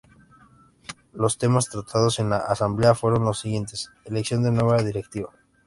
Los temas tratados en la Asamblea fueron los siguientes: Elección de nueva directiva.